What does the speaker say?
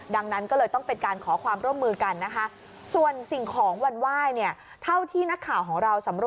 ดังนั้นก็เลยต้องเป็นการขอความร่วมมือกันนะคะ